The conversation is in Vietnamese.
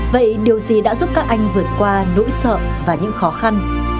vậy điều gì đã giúp các anh vượt qua nỗi sợ và những khó khăn